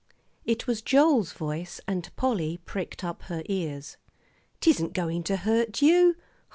It was Joel's voice, and Polly pricked up her ears. "'Tisn't going to hurt you.